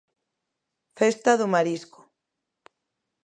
Festa do marisco.